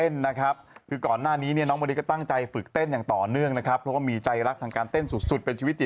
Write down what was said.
ช่วงหน้าน้องมะลิโชว์เต้นครั้งแรก